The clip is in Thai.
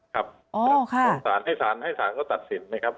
สร้างสารให้สารให้สารก็ตัดสินนะครับ